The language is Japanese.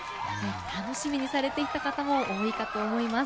楽しみにされていた方も多いかと思います。